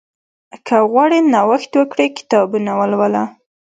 که غواړې نوښت وکړې، کتابونه ولوله.